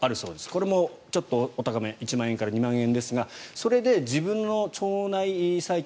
これもちょっとお高め１万円から２万円ですがそれで自分の腸内細菌